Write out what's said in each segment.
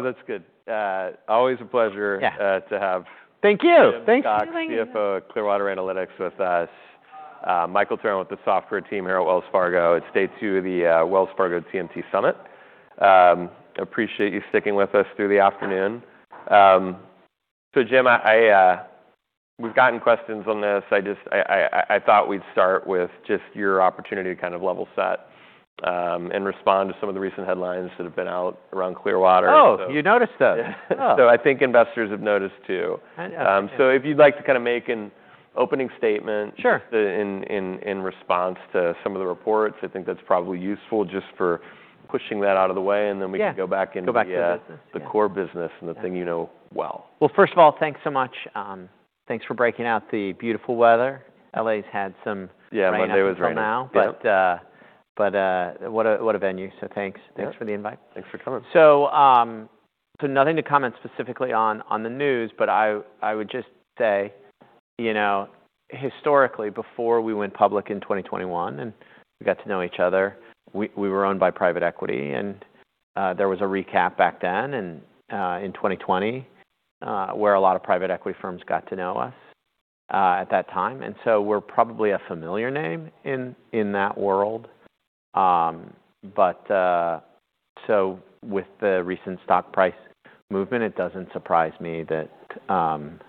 Oh, that's good. Always a pleasure to have. Thank you. Thanks for coming. Jim Cox CFO Clearwater Analytics with Michael Turrin with the software team here at Wells Fargo. It's day two of the Wells Fargo TMT Summit. I appreciate you sticking with us through the afternoon. Jim, we've gotten questions on this. I just thought we'd start with just your opportunity to kind of level set and respond to some of the recent headlines that have been out around Clearwater. Oh, you noticed them. Yeah. Oh. So I think investors have noticed too. I know. So if you'd like to kind of make an opening statement. Sure. In response to some of the reports, I think that's probably useful just for pushing that out of the way, and then we can go back into the core business and the thing you know well. First of all, thanks so much. Thanks for breaking out the beautiful weather. LA's had some rain until now. Yeah, Monday was rainy. But what a venue. So thanks for the invite. Yeah. Thanks for coming. So nothing to comment specifically on the news, but I would just say, you know, historically, before we went public in 2021 and we got to know each other, we were owned by private equity. And there was a recap back then in 2020, where a lot of private equity firms got to know us at that time. And so we're probably a familiar name in that world. But so with the recent stock price movement, it doesn't surprise me that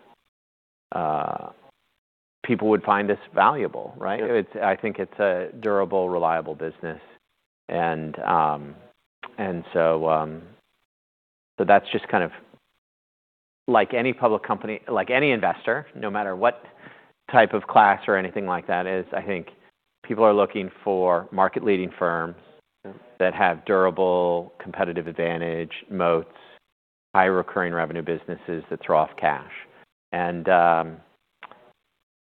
people would find us valuable, right? Yeah. It's, I think it's a durable, reliable business. And so that's just kind of like any public company, like any investor, no matter what type of class or anything like that is, I think people are looking for market-leading firms that have durable competitive advantage, moats, high recurring revenue businesses that throw off cash.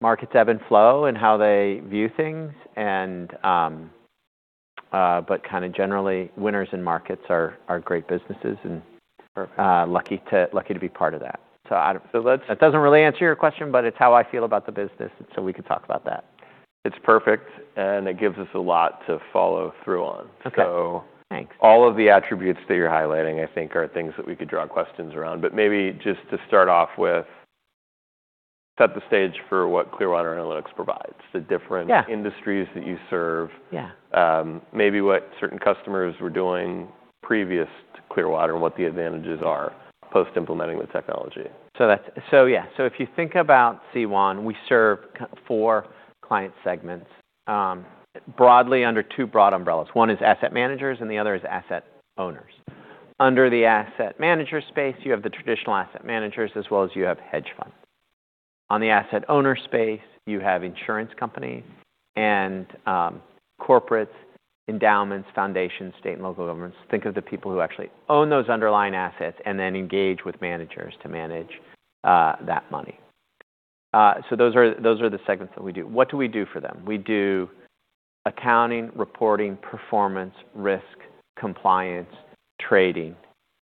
Markets ebb and flow in how they view things. But kind of generally, winners in markets are great businesses and lucky to be part of that. So I don't. So that's. That doesn't really answer your question, but it's how I feel about the business, and so we could talk about that. It's perfect. And it gives us a lot to follow through on. Okay. So. Thanks. All of the attributes that you're highlighting, I think, are things that we could draw questions around. But maybe just to start off with, set the stage for what Clearwater Analytics provides, the different. Yeah. Industries that you serve? Yeah. Maybe what certain customers were doing previous to Clearwater and what the advantages are post-implementing the technology. So that's, so yeah. So if you think about CWAN, we serve four client segments, broadly under two broad umbrellas. One is asset managers, and the other is asset owners. Under the asset manager space, you have the traditional asset managers as well as you have hedge funds. On the asset owner space, you have insurance companies and corporates, endowments, foundations, state and local governments. Think of the people who actually own those underlying assets and then engage with managers to manage that money. So those are, those are the segments that we do. What do we do for them? We do accounting, reporting, performance, risk, compliance, trading.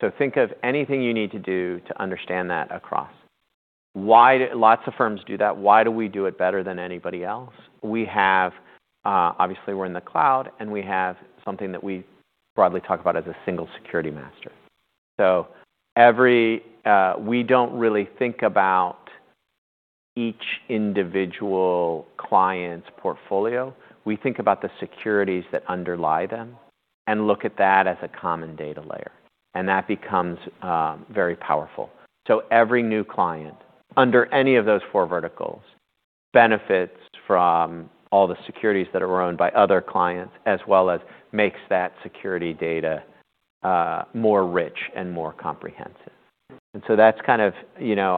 So think of anything you need to do to understand that across. Why do lots of firms do that? Why do we do it better than anybody else? We have, obviously, we're in the cloud, and we have something that we broadly talk about as a single security master. So every, we don't really think about each individual client's portfolio. We think about the securities that underlie them and look at that as a common data layer. And that becomes very powerful. So every new client under any of those four verticals benefits from all the securities that are owned by other clients as well as makes that security data more rich and more comprehensive. And so that's kind of, you know,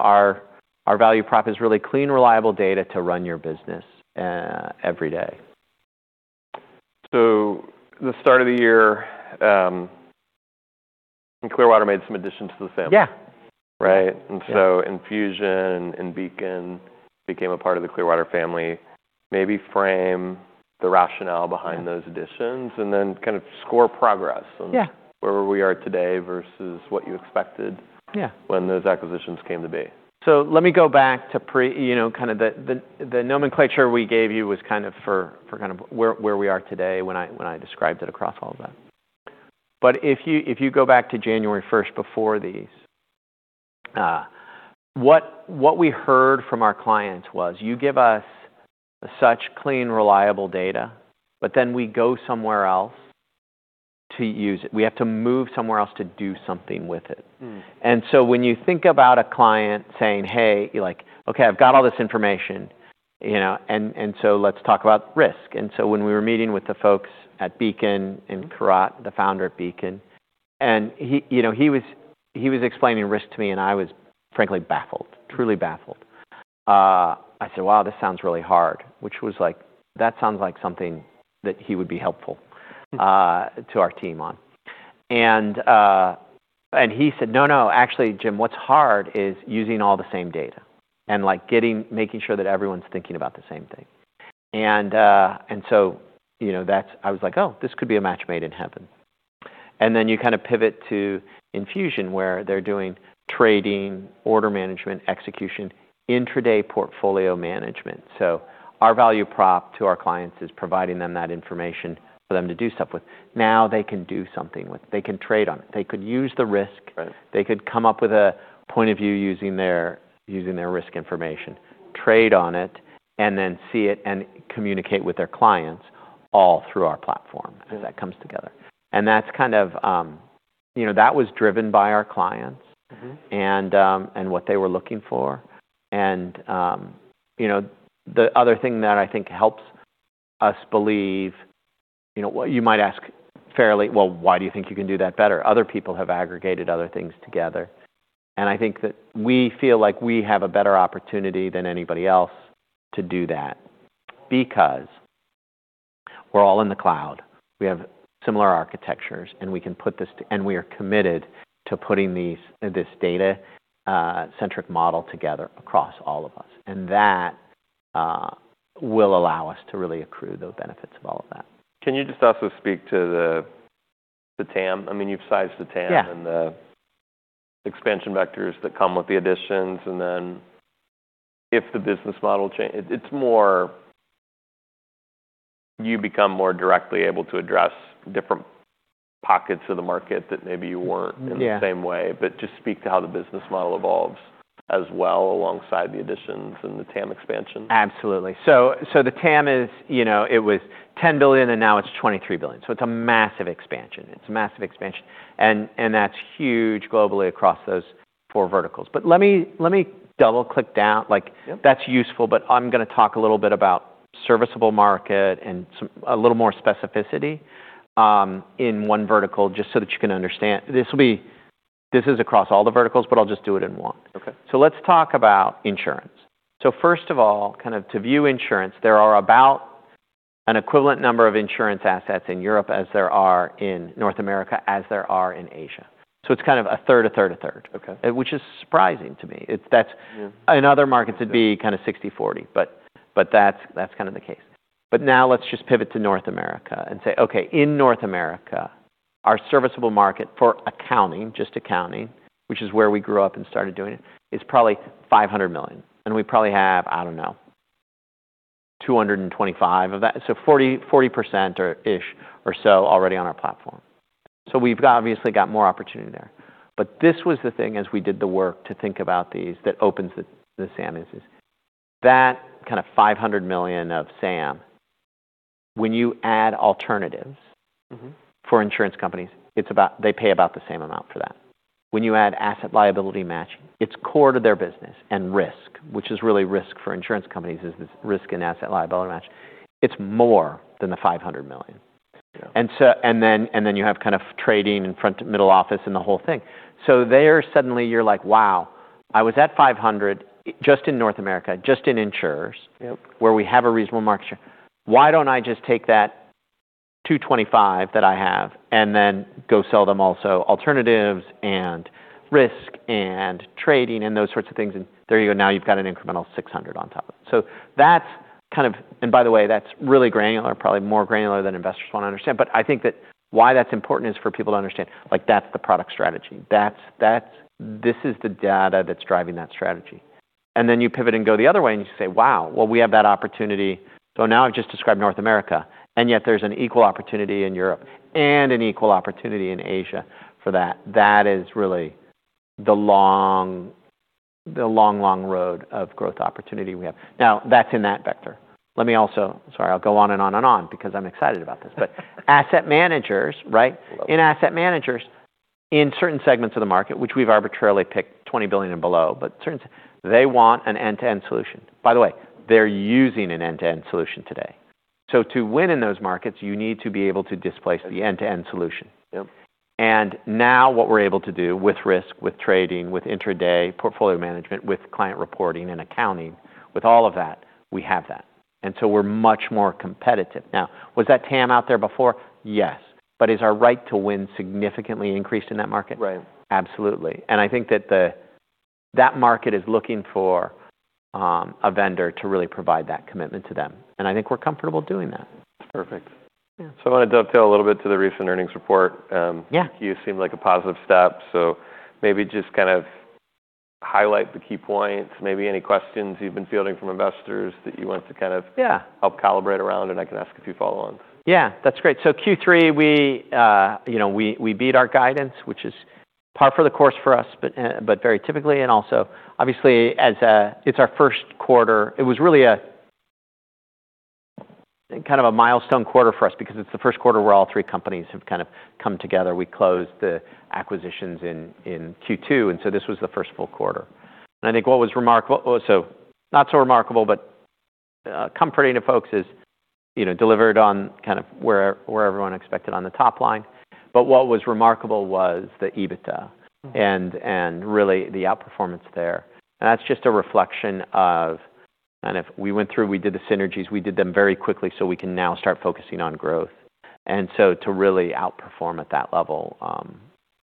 our value prop is really clean, reliable data to run your business every day. The start of the year, Clearwater made some additions to the family. Yeah. Right? And so Enfusion and Beacon became a part of the Clearwater family. Maybe frame the rationale behind those additions and then kind of score progress. Yeah. Where we are today versus what you expected. Yeah. When those acquisitions came to be. So let me go back to pre, you know, kind of the nomenclature we gave you was kind of for kind of where we are today when I described it across all of that. But if you go back to January 1st before these, what we heard from our clients was, "You give us such clean, reliable data, but then we go somewhere else to use it. We have to move somewhere else to do something with it." And so when you think about a client saying, "Hey," you're like, "Okay, I've got all this information, you know, and so let's talk about risk." And so when we were meeting with the folks at Beacon and Kirat, the founder at Beacon, and he, you know, he was explaining risk to me, and I was frankly baffled, truly baffled. I said, "Wow, this sounds really hard," which was like, "That sounds like something that he would be helpful to our team on." And he said, "No, no. Actually, Jim, what's hard is using all the same data and, like, getting making sure that everyone's thinking about the same thing." And so, you know, that's, I was like, "Oh, this could be a match made in heaven." And then you kind of pivot to Enfusion where they're doing trading, order management, execution, intraday portfolio management. So our value prop to our clients is providing them that information for them to do stuff with. Now they can do something with it. They can trade on it. They could use the risk. Right. They could come up with a point of view using their risk information, trade on it, and then see it and communicate with their clients all through our platform as that comes together, and that's kind of, you know, that was driven by our clients. Mm-hmm. What they were looking for. You know, the other thing that I think helps us believe, you know, what you might ask fairly, "Well, why do you think you can do that better?" Other people have aggregated other things together. I think that we feel like we have a better opportunity than anybody else to do that because we're all in the cloud. We have similar architectures, and we can put this to, and we are committed to putting this data-centric model together across all of us. That will allow us to really accrue the benefits of all of that. Can you just also speak to the TAM? I mean, you've sized the TAM. Yeah. And the expansion vectors that come with the additions. And then if the business model changes, it's more you become more directly able to address different pockets of the market that maybe you weren't. Yeah. In the same way. But just speak to how the business model evolves as well alongside the additions and the TAM expansion. Absolutely. So, so the TAM is, you know, it was $10 billion, and now it's $23 billion. So it's a massive expansion. It's a massive expansion. And, and that's huge globally across those four verticals. But let me, let me double-click down. Like. Yep. That's useful, but I'm gonna talk a little bit about serviceable market and some a little more specificity, in one vertical just so that you can understand. This will be, this is across all the verticals, but I'll just do it in one. Okay. Let's talk about insurance. First of all, kind of to view insurance, there are about an equivalent number of insurance assets in Europe as there are in North America, as there are in Asia. It's kind of a third, a third, a third. Okay. Which is surprising to me. It's, that's. Yeah. In other markets, it'd be kind of 60/40, but, but that's, that's kind of the case. But now let's just pivot to North America and say, "Okay, in North America, our serviceable market for accounting, just accounting, which is where we grew up and started doing it, is probably $500 million. And we probably have, I don't know, $225 million of that. So 40% or-ish or so already on our platform. So we've obviously got more opportunity there. But this was the thing as we did the work to think about these that opens the, the SAM issues. That kind of $500 million of SAM, when you add alternatives. Mm-hmm. For insurance companies, it's about they pay about the same amount for that. When you add asset liability matching, it's core to their business. And risk, which is really risk for insurance companies, is this risk and asset liability match. It's more than the $500 million. Yeah. And so, and then you have kind of trading and front to middle office and the whole thing. So there suddenly you're like, "Wow, I was at $500 billion just in North America, just in insurers. Yep. Where we have a reasonable market share. Why don't I just take that $225 billion that I have and then go sell them also alternatives and risk and trading and those sorts of things? And there you go. Now you've got an incremental $600 billion on top of it. So that's kind of, and by the way, that's really granular, probably more granular than investors wanna understand. But I think that why that's important is for people to understand, like, that's the product strategy. That's, that's, this is the data that's driving that strategy. And then you pivot and go the other way and you say, "Wow, well, we have that opportunity. So now I've just described North America, and yet there's an equal opportunity in Europe and an equal opportunity in Asia for that." That is really the long, the long, long road of growth opportunity we have. Now that's in that vector. Let me also, sorry, I'll go on and on and on because I'm excited about this. But asset managers, right? Level. In asset managers, in certain segments of the market, which we've arbitrarily picked $20 billion and below, but certainly they want an end-to-end solution. By the way, they're using an end-to-end solution today, so to win in those markets, you need to be able to displace the end-to-end solution. Yep. Now what we're able to do with risk, with trading, with intraday portfolio management, with client reporting and accounting, with all of that, we have that. So we're much more competitive. Now, was that TAM out there before? Yes, but is our right to win significantly increased in that market? Right. Absolutely. And I think that that market is looking for a vendor to really provide that commitment to them. And I think we're comfortable doing that. Perfect. Yeah. So I wanna dovetail a little bit to the recent earnings report. Yeah. You seemed like a positive step. So maybe just kind of highlight the key points, maybe any questions you've been fielding from investors that you want to kind of. Yeah. Help calibrate around, and I can ask a few follow-ons. Yeah. That's great. So Q3, we, you know, beat our guidance, which is par for the course for us, but very typically. And also, obviously, it's our first quarter. It was really a kind of milestone quarter for us because it's the first quarter where all three companies have kind of come together. We closed the acquisitions in Q2. And so this was the first full quarter. And I think what was remarkable, also not so remarkable, but comforting to folks is, you know, delivered on kind of where everyone expected on the top line. But what was remarkable was the EBITDA. And really the outperformance there. And that's just a reflection of kind of we went through, we did the synergies, we did them very quickly so we can now start focusing on growth. And so to really outperform at that level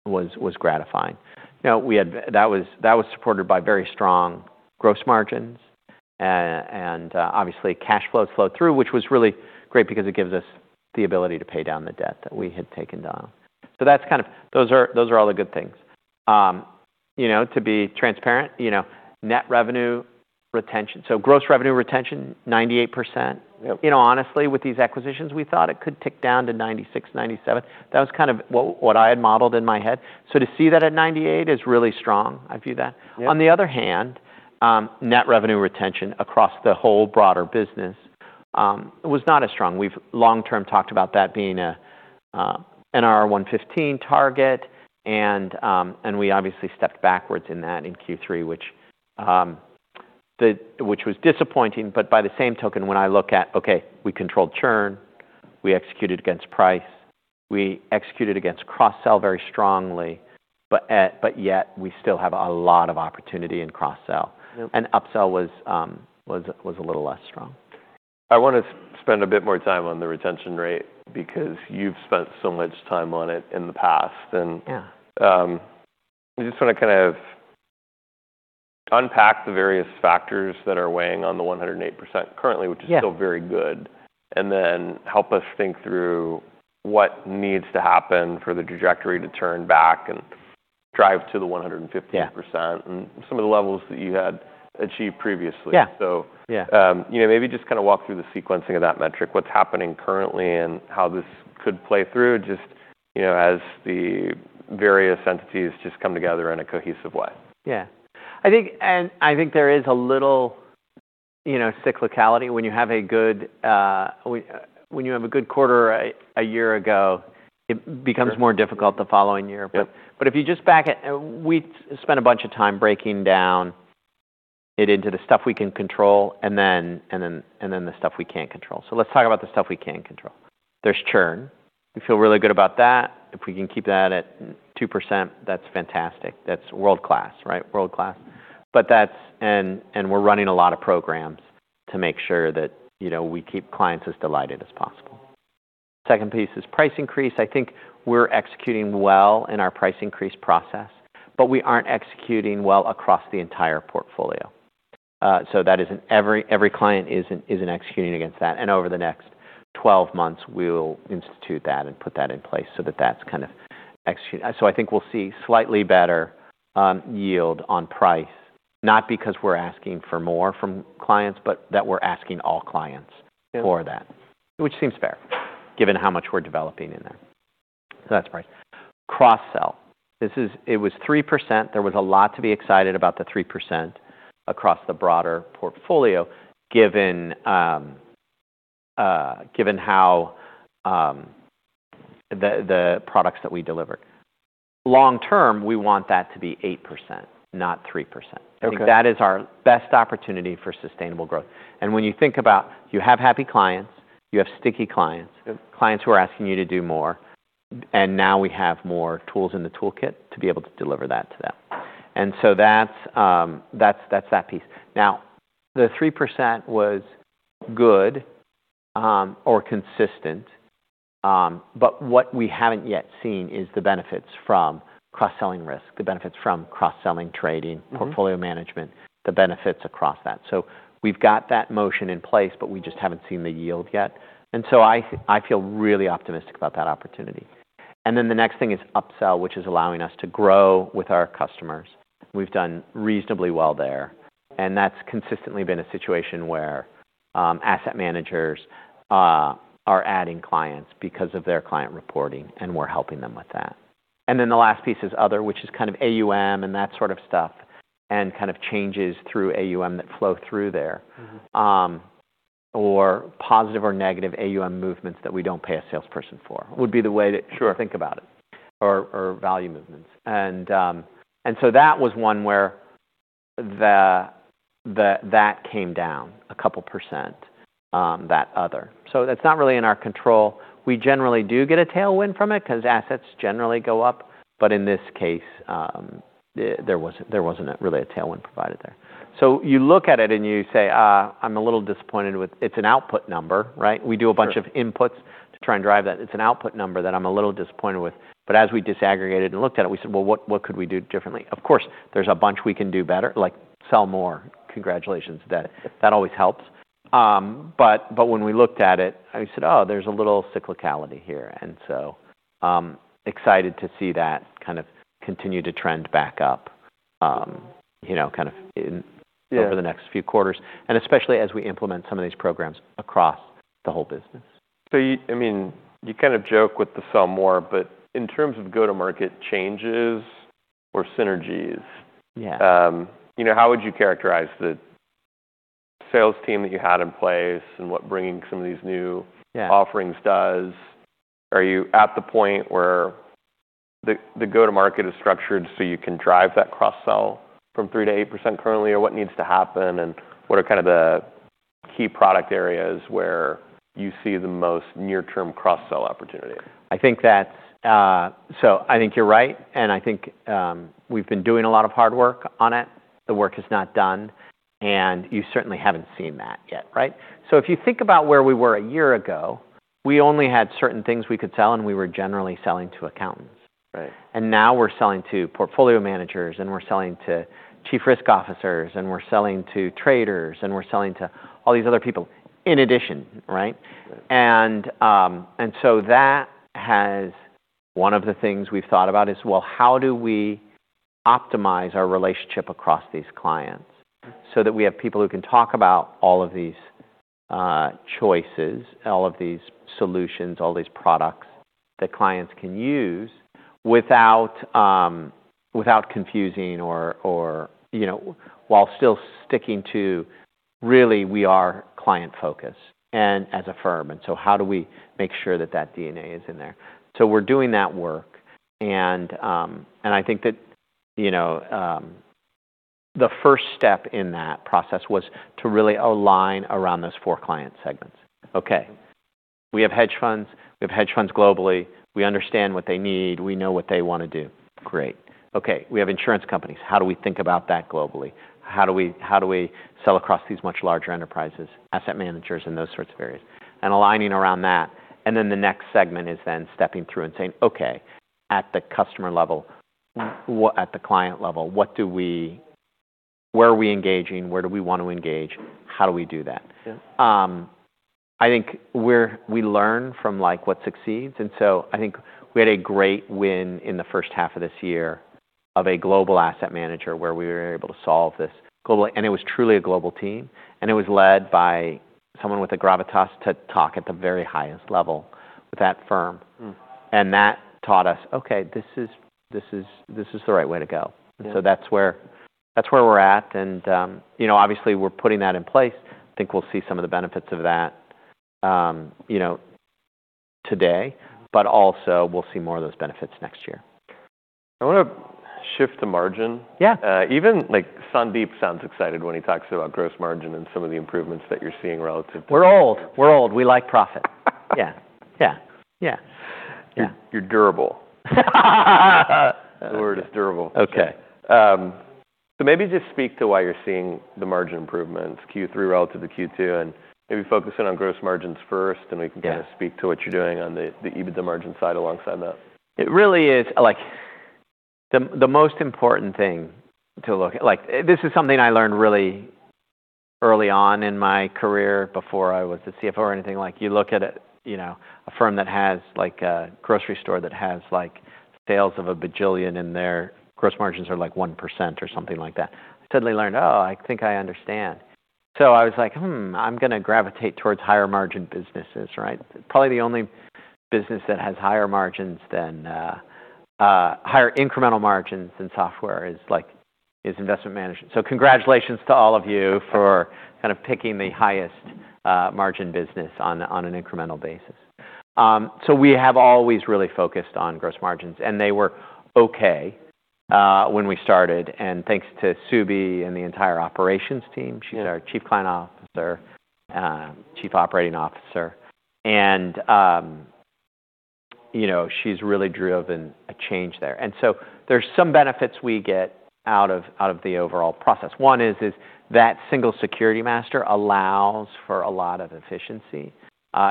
was gratifying. You know, that was supported by very strong gross margins. And obviously cash flows flowed through, which was really great because it gives us the ability to pay down the debt that we had taken down. So that's kind of those are all the good things. You know, to be transparent, you know, net revenue retention, so gross revenue retention, 98%. Yep. You know, honestly, with these acquisitions, we thought it could tick down to 96, 97. That was kind of what I had modeled in my head. So to see that at 98 is really strong. I view that. Yeah. On the other hand, net revenue retention across the whole broader business was not as strong. We've long-term talked about that being a NRR 115% target. And we obviously stepped backwards in that in Q3, which was disappointing. But by the same token, when I look at, okay, we controlled churn, we executed against price, we executed against cross-sell very strongly, but yet we still have a lot of opportunity in cross-sell. Yep. And upsell was a little less strong. I wanna spend a bit more time on the retention rate because you've spent so much time on it in the past. And. Yeah. We just wanna kind of unpack the various factors that are weighing on the 108% currently, which is. Yeah. Still very good. And then help us think through what needs to happen for the trajectory to turn back and drive to the 115%. Yeah. And some of the levels that you had achieved previously. Yeah. So. Yeah. You know, maybe just kind of walk through the sequencing of that metric, what's happening currently and how this could play through just, you know, as the various entities just come together in a cohesive way. Yeah. I think there is a little, you know, cyclicality when you have a good quarter a year ago. It becomes more difficult the following year. Yep. But if you just back it, we spent a bunch of time breaking down it into the stuff we can control and then the stuff we can't control. So let's talk about the stuff we can control. There's churn. We feel really good about that. If we can keep that at 2%, that's fantastic. That's world-class, right? World-class. But that's and we're running a lot of programs to make sure that, you know, we keep clients as delighted as possible. Second piece is price increase. I think we're executing well in our price increase process, but we aren't executing well across the entire portfolio. So that isn't every client isn't executing against that. And over the next 12 months, we will institute that and put that in place so that that's kind of execute. So I think we'll see slightly better yield on price, not because we're asking for more from clients, but that we're asking all clients. Yep. For that, which seems fair given how much we're developing in there. So that's price. Cross-sell, this is, it was 3%. There was a lot to be excited about the 3% across the broader portfolio given how the products that we delivered. Long-term, we want that to be 8%, not 3%. Okay. I think that is our best opportunity for sustainable growth, and when you think about, you have happy clients, you have sticky clients. Yep. Clients who are asking you to do more. And now we have more tools in the toolkit to be able to deliver that to them. And so that's that piece. Now, the 3% was good, or consistent. But what we haven't yet seen is the benefits from cross-selling risk, the benefits from cross-selling trading. Mm-hmm. Portfolio management, the benefits across that, so we've got that motion in place, but we just haven't seen the yield yet, and so I, I feel really optimistic about that opportunity, and then the next thing is upsell, which is allowing us to grow with our customers. We've done reasonably well there, and that's consistently been a situation where asset managers are adding clients because of their client reporting, and we're helping them with that, and then the last piece is other, which is kind of AUM and that sort of stuff and kind of changes through AUM that flow through there. Mm-hmm. or positive or negative AUM movements that we don't pay a salesperson for would be the way to. Sure. Think about it, or value movements, and so that was one where that came down a couple%. That other, so that's not really in our control. We generally do get a tailwind from it 'cause assets generally go up, but in this case, there wasn't really a tailwind provided there, so you look at it and you say, I'm a little disappointed with. It's an output number, right? We do a bunch of inputs to try and drive that. It's an output number that I'm a little disappointed with, but as we disaggregated and looked at it, we said, well, what could we do differently? Of course, there's a bunch we can do better, like sell more. Congratulations. That always helps, but when we looked at it, we said, oh, there's a little cyclicality here. And so, excited to see that kind of continue to trend back up, you know, kind of in. Yeah. Over the next few quarters, and especially as we implement some of these programs across the whole business. So you, I mean, you kind of joke with the sell more, but in terms of go-to-market changes or synergies. Yeah. You know, how would you characterize the sales team that you had in place and what bringing some of these new? Yeah. Offerings does? Are you at the point where the go-to-market is structured so you can drive that cross-sell from 3%-8% currently, or what needs to happen? And what are kind of the key product areas where you see the most near-term cross-sell opportunity? I think that's so. I think you're right. And I think we've been doing a lot of hard work on it. The work is not done. And you certainly haven't seen that yet, right? So if you think about where we were a year ago, we only had certain things we could sell, and we were generally selling to accountants. Right. Now we're selling to portfolio managers, and we're selling to chief risk officers, and we're selling to traders, and we're selling to all these other people in addition, right? Right. And so that has one of the things we've thought about is, well, how do we optimize our relationship across these clients so that we have people who can talk about all of these choices, all of these solutions, all these products that clients can use without confusing or you know, while still sticking to really we are client-focused and as a firm. And so how do we make sure that DNA is in there? So we're doing that work. And I think that, you know, the first step in that process was to really align around those four client segments. Okay. We have hedge funds. We have hedge funds globally. We understand what they need. We know what they wanna do. Great. Okay. We have insurance companies. How do we think about that globally? How do we sell across these much larger enterprises, asset managers, and those sorts of areas? And aligning around that. And then the next segment is stepping through and saying, okay, at the customer level, at the client level, what do we, where are we engaging? Where do we wanna engage? How do we do that? Yeah. I think we learn from like what succeeds. And so I think we had a great win in the first half of this year of a global asset manager where we were able to solve this globally. And it was truly a global team. And it was led by someone with a gravitas to talk at the very highest level with that firm. And that taught us, okay, this is the right way to go. Mm-hmm. And so that's where we're at. And, you know, obviously we're putting that in place. I think we'll see some of the benefits of that, you know, today, but also we'll see more of those benefits next year. I wanna shift to margin. Yeah. Even like Sandeep sounds excited when he talks about gross margin and some of the improvements that you're seeing relative to. We're old. We're old. We like profit. Yeah. Yeah. Yeah. Yeah. You're durable. The word is durable. Okay. So maybe just speak to why you're seeing the margin improvements Q3 relative to Q2 and maybe focus in on gross margins first, and we can kind of speak to what you're doing on the EBITDA margin side alongside that. It really is like the most important thing to look at, like this is something I learned really early on in my career before I was the CFO or anything. Like you look at, you know, a firm that has like a grocery store that has like sales of a bajillion and their gross margins are like 1% or something like that. I suddenly learned, oh, I think I understand. So I was like, I'm gonna gravitate towards higher margin businesses, right? Probably the only business that has higher margins than, higher incremental margins than software is like, is investment management. So congratulations to all of you for kind of picking the highest, margin business on, on an incremental basis. So we have always really focused on gross margins, and they were okay when we started. And thanks to Subi and the entire operations team. Yeah. She's our Chief Client Officer, Chief Operating Officer. And, you know, she's really driven a change there. And so there's some benefits we get out of the overall process. One is that single security master allows for a lot of efficiency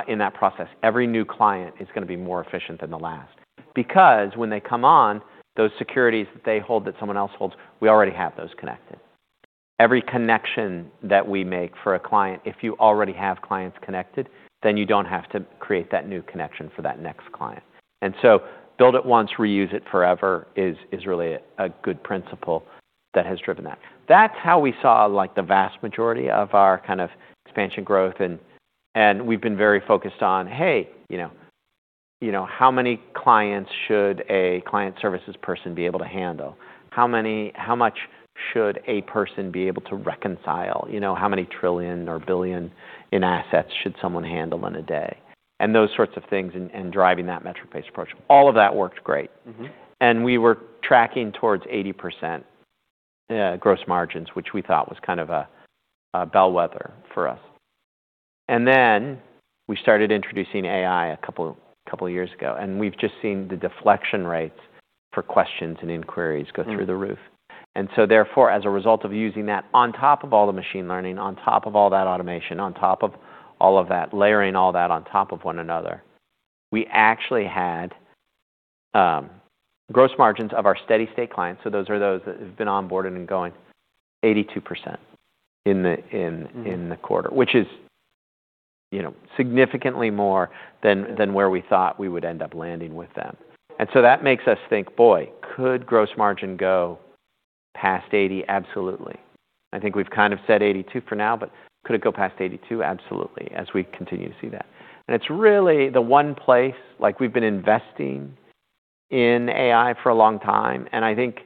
in that process. Every new client is gonna be more efficient than the last because when they come on, those securities that they hold that someone else holds, we already have those connected. Every connection that we make for a client, if you already have clients connected, then you don't have to create that new connection for that next client. And so build it once, reuse it forever is really a good principle that has driven that. That's how we saw like the vast majority of our kind of expansion growth. We've been very focused on, hey, you know, how many clients should a client services person be able to handle? How many, how much should a person be able to reconcile? You know, how many trillion or billion in assets should someone handle in a day? And those sorts of things and driving that metric-based approach, all of that worked great. Mm-hmm. We were tracking towards 80% gross margins, which we thought was kind of a bellwether for us. We started introducing AI a couple of years ago, and we've just seen the deflection rates for questions and inquiries go through the roof. Therefore, as a result of using that on top of all the machine learning, on top of all that automation, on top of all of that, layering all that on top of one another, we actually had gross margins of our steady-state clients. Those that have been onboarded and going 82% in the quarter, which is, you know, significantly more than where we thought we would end up landing with them. That makes us think, boy, could gross margin go past 80%? Absolutely. I think we've kind of said 82 for now, but could it go past 82? Absolutely, as we continue to see that, and it's really the one place, like we've been investing in AI for a long time, and I think,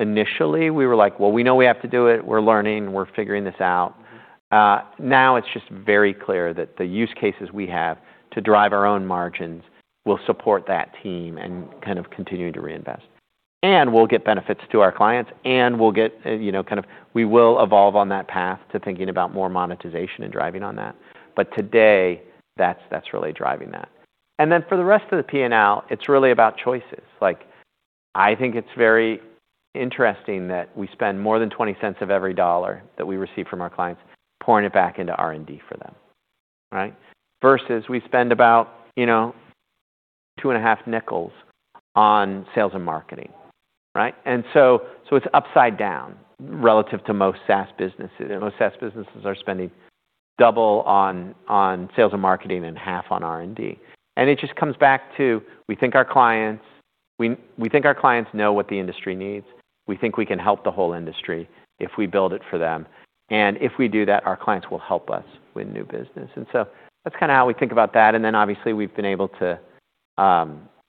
initially we were like, well, we know we have to do it. We're learning. We're figuring this out. Mm-hmm. Now it's just very clear that the use cases we have to drive our own margins will support that team and kind of continue to reinvest. And we'll get benefits to our clients, and we'll get, you know, kind of, we will evolve on that path to thinking about more monetization and driving on that. But today, that's, that's really driving that. And then for the rest of the P&L, it's really about choices. Like I think it's very interesting that we spend more than 20 cents of every dollar that we receive from our clients pouring it back into R&D for them, right? Versus we spend about, you know, two and a half nickels on sales and marketing, right? And so, so it's upside down relative to most SaaS businesses. And most SaaS businesses are spending double on, on sales and marketing and half on R&D. And it just comes back to we think our clients know what the industry needs. We think we can help the whole industry if we build it for them. And if we do that, our clients will help us win new business. And so that's kind of how we think about that. And then obviously we've been able to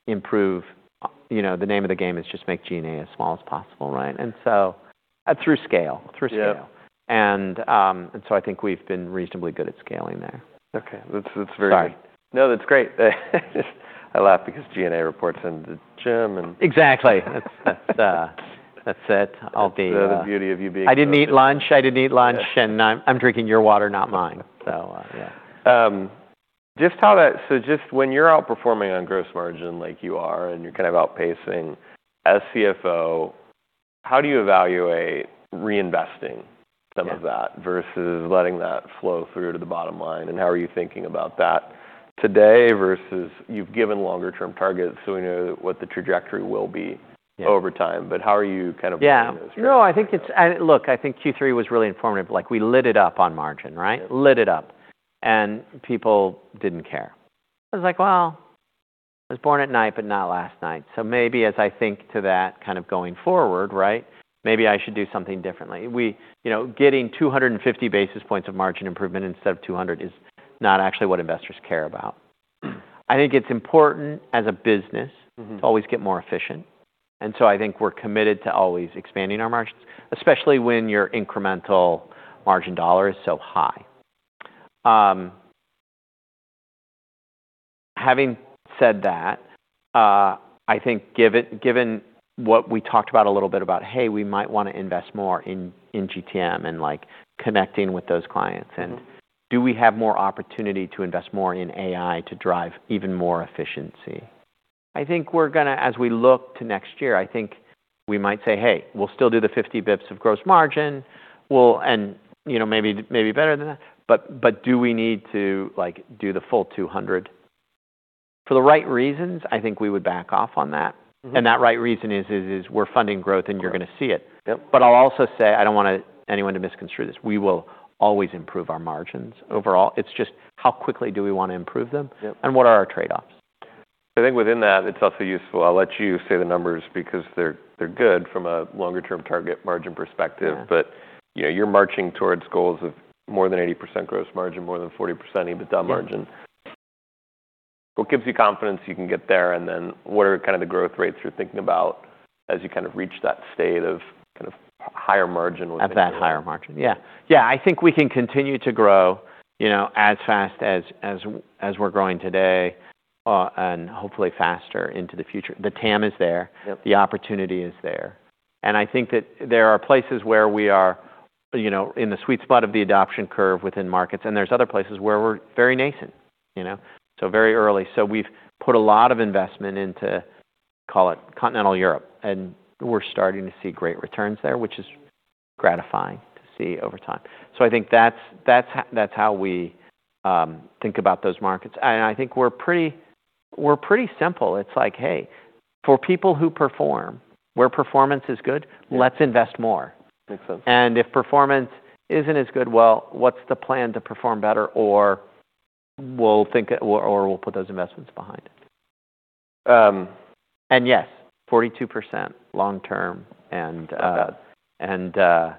improve, you know, the name of the game is just make G&A as small as possible, right? And so through scale. Yeah. I think we've been reasonably good at scaling there. Okay. That's very. Sorry. No, that's great. I laugh because G&A reports in the gym and. Exactly. That's it. I'll be. That's the beauty of you being here. I didn't eat lunch. And I'm drinking your water, not mine. So, yeah. So just when you're outperforming on gross margin like you are and you're kind of outpacing as CFO, how do you evaluate reinvesting some of that versus letting that flow through to the bottom line and how are you thinking about that today versus, you've given longer-term targets so we know what the trajectory will be. Yeah. Over time. But how are you kind of. Yeah. Looking at those trajectories? No, I think it's, and look, I think Q3 was really informative. Like we lit it up on margin, right? Lit it up, and people didn't care. I was like, well, I was born at night, but not last night, so maybe as I think to that kind of going forward, right, maybe I should do something differently. We, you know, getting 250 basis points of margin improvement instead of 200 is not actually what investors care about. I think it's important as a business. Mm-hmm. To always get more efficient. So I think we're committed to always expanding our margins, especially when your incremental margin dollar is so high. Having said that, I think given what we talked about a little bit about, hey, we might wanna invest more in GTM and like connecting with those clients. Do we have more opportunity to invest more in AI to drive even more efficiency? I think we're gonna, as we look to next year, I think we might say, hey, we'll still do the 50 basis points of gross margin. We'll, and you know, maybe better than that. Do we need to like do the full 200? For the right reasons, I think we would back off on that. Mm-hmm. And that right reason is we're funding growth and you're gonna see it. Yep. But I'll also say, I don't want anyone to misconstrue this. We will always improve our margins overall. It's just how quickly do we wanna improve them? Yep. What are our trade-offs? I think within that, it's also useful. I'll let you say the numbers because they're, they're good from a longer-term target margin perspective. Yeah. But, you know, you're marching towards goals of more than 80% gross margin, more than 40% EBITDA margin. Yeah. What gives you confidence you can get there? And then what are kind of the growth rates you're thinking about as you kind of reach that state of kind of higher margin within that? At that higher margin. Yeah. Yeah. I think we can continue to grow, you know, as fast as we're growing today, and hopefully faster into the future. The TAM is there. Yep. The opportunity is there. And I think that there are places where we are, you know, in the sweet spot of the adoption curve within markets. And there's other places where we're very nascent, you know, so very early. So we've put a lot of investment into, call it continental Europe, and we're starting to see great returns there, which is gratifying to see over time. So I think that's how we think about those markets. And I think we're pretty simple. It's like, hey, for people who perform, where performance is good, let's invest more. Makes sense. And if performance isn't as good, well, what's the plan to perform better? Or we'll think, or we'll put those investments behind. And yes, 42% long-term and, Not bad.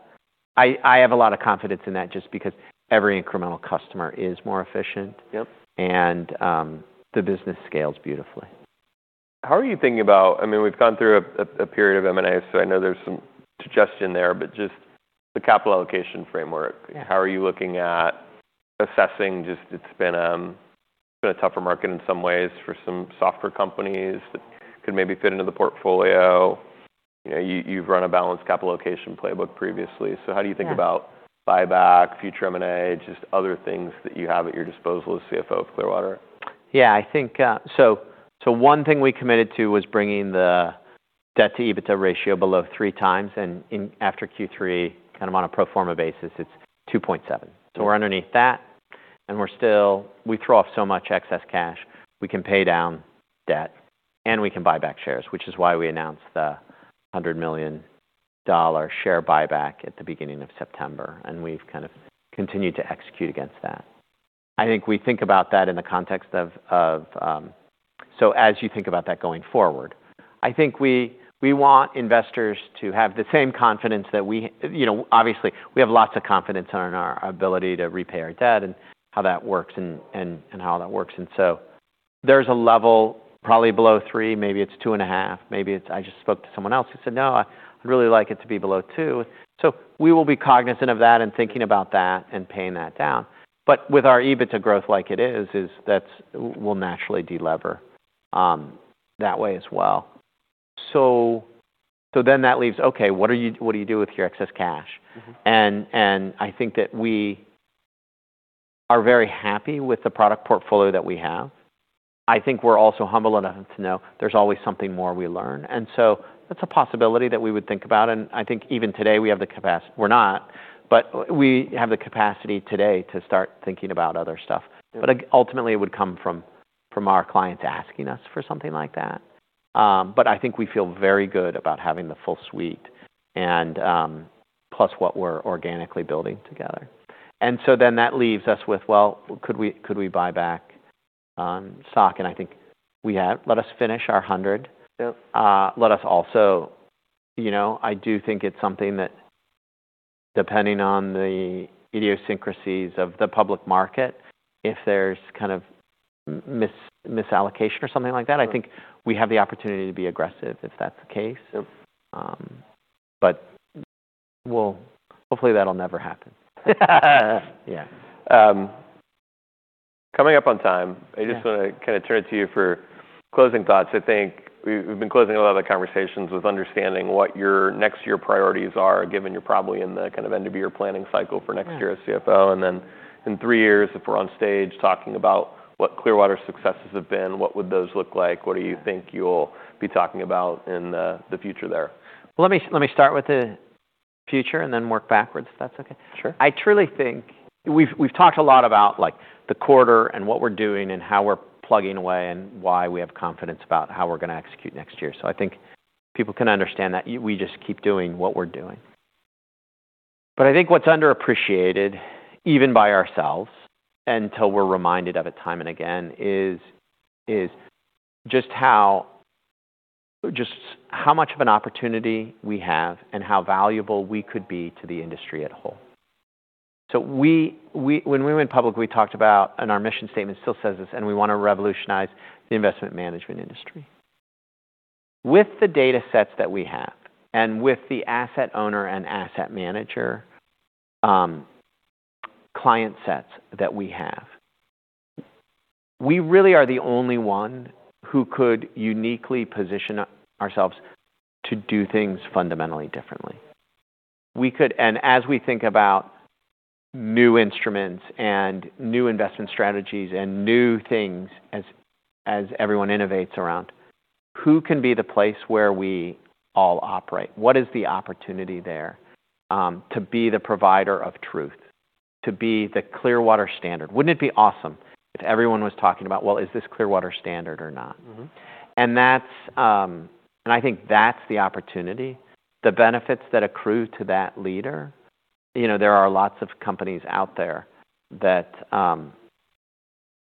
I have a lot of confidence in that just because every incremental customer is more efficient. Yep. The business scales beautifully. How are you thinking about, I mean, we've gone through a period of M&A, so I know there's some suggestion there, but just the capital allocation framework? Yeah. How are you looking at assessing just, it's been a tougher market in some ways for some software companies that could maybe fit into the portfolio? You know, you've run a balanced capital allocation playbook previously. So how do you think about. Yeah. Buyback, future M&A, just other things that you have at your disposal as CFO of Clearwater? Yeah. I think, so one thing we committed to was bringing the debt to EBITDA ratio below three times. And in after Q3, kind of on a pro forma basis, it's 2.7. So we're underneath that. And we're still, we throw off so much excess cash, we can pay down debt and we can buy back shares, which is why we announced the $100 million share buyback at the beginning of September. And we've kind of continued to execute against that. I think we think about that in the context of, of so as you think about that going forward, I think we want investors to have the same confidence that we, you know, obviously we have lots of confidence in our ability to repay our debt and how that works and how that works. There's a level probably below three, maybe it's two and a half, maybe it's. I just spoke to someone else who said, no, I'd really like it to be below two. So we will be cognizant of that and thinking about that and paying that down. But with our EBITDA growth like it is, that's, we'll naturally delever that way as well. So then that leaves, okay, what are you, what do you do with your excess cash? Mm-hmm. I think that we are very happy with the product portfolio that we have. I think we're also humble enough to know there's always something more we learn. That's a possibility that we would think about. I think even today we have the capacity. We're not, but we have the capacity today to start thinking about other stuff. Yep. But ultimately it would come from our clients asking us for something like that. But I think we feel very good about having the full suite and, plus what we're organically building together. And so then that leaves us with, well, could we buy back stock? And I think we have. Let us finish our 100. Yep. Let us also, you know, I do think it's something that depending on the idiosyncrasies of the public market, if there's kind of misallocation or something like that, I think we have the opportunity to be aggressive if that's the case. Yep. but we'll, hopefully that'll never happen. Yeah. Coming up on time. Yeah. I just wanna kind of turn it to you for closing thoughts. I think we've been closing a lot of the conversations with understanding what your next year priorities are, given you're probably in the kind of end of year planning cycle for next year as CFO. Yeah. And then in three years, if we're on stage talking about what Clearwater's successes have been, what would those look like? What do you think you'll be talking about in the future there? Let me start with the future and then work backwards if that's okay. Sure. I truly think we've talked a lot about like the quarter and what we're doing and how we're plugging away and why we have confidence about how we're gonna execute next year. So I think people can understand that we just keep doing what we're doing. But I think what's underappreciated, even by ourselves, until we're reminded of it time and again, is just how much of an opportunity we have and how valuable we could be to the industry as a whole. So we, when we went public, we talked about, and our mission statement still says this, and we wanna revolutionize the investment management industry. With the data sets that we have and with the asset owner and asset manager, client sets that we have, we really are the only one who could uniquely position ourselves to do things fundamentally differently. We could, and as we think about new instruments and new investment strategies and new things as, as everyone innovates around, who can be the place where we all operate? What is the opportunity there, to be the provider of truth, to be the Clearwater standard? Wouldn't it be awesome if everyone was talking about, well, is this Clearwater standard or not? Mm-hmm. And that's, and I think that's the opportunity, the benefits that accrue to that leader. You know, there are lots of companies out there that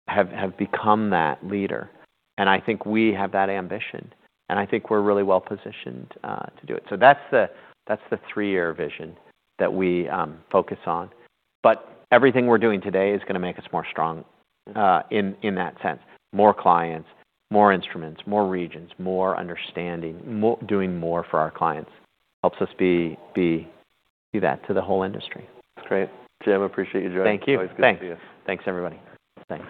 have become that leader. And I think we have that ambition. And I think we're really well positioned to do it. So that's the three-year vision that we focus on. But everything we're doing today is gonna make us more strong in that sense. More clients, more instruments, more regions, more understanding, more doing more for our clients helps us be that to the whole industry. That's great. Jim, appreciate you, Jim. Thank you. Always good to see you. Thanks. Thanks, everybody. Thanks.